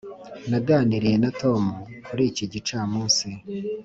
naganiriye na tom kuri iki gicamunsi.